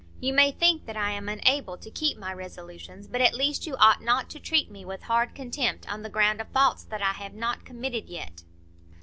You may think that I am unable to keep my resolutions; but at least you ought not to treat me with hard contempt on the ground of faults that I have not committed yet."